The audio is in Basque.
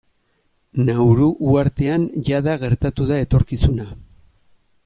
Nauru uhartean jada gertatu da etorkizuna.